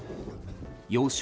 要衝